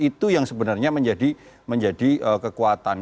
itu yang sebenarnya menjadi kekuatan